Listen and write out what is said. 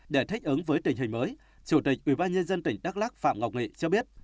để thích ứng với tình hình mới chủ tịch ubnd tỉnh đắk lắc phạm ngọc nghị cho biết